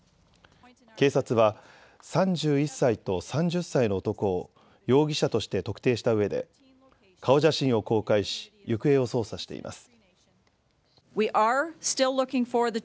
警察は３１歳と３０歳の男を容疑者として特定したうえで顔写真を公開し行方を捜査しています。